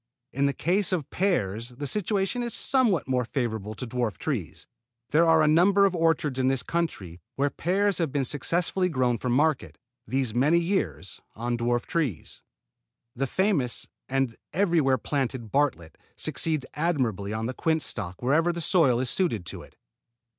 In the case of pears the situation is somewhat more favorable to dwarf trees. There are a number of orchards in this country where pears have been successfully grown for market, these many years, on dwarf trees. The famous and everywhere planted Bartlett succeeds admirably on the quince stock wherever the soil is suited to it.